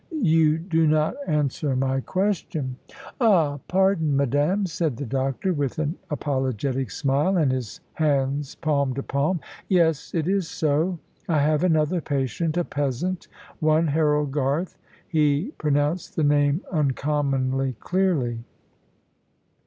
"You do not answer my question." "Ah, pardon, madame," said the doctor, with an apologetic smile and his hands palm to palm. "Yes it is so. I have another patient, a peasant one Harold Garth," he pronounced the name uncommonly clearly.